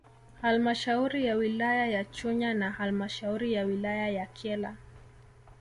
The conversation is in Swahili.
Halmashauri ya wilaya ya Chunya na halmashauri ya wilaya ya Kyela